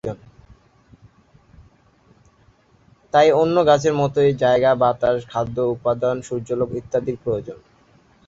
তাই অন্য গাছের মতোই জায়গা, বাতাস, খাদ্য উপাদান সূর্যালোক ইত্যাদির প্রয়োজন।